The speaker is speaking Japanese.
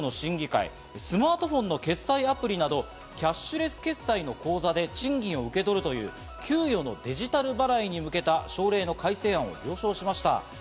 厚生労働省の審議会、スマートフォンの決済アプリなどキャッシュレス決済の口座で賃金を受け取るという給与のデジタル払いに向けた省令の改正案を了承しました。